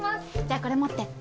じゃあこれ持って。